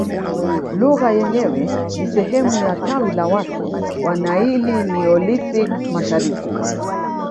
Lugha yenyewe ni sehemu ya tawi la watu wa Naili Neolithic mashariki